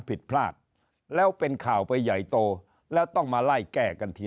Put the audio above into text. ผิดพลาดแล้วเป็นข่าวไปใหญ่โตแล้วต้องมาไล่แก้กันที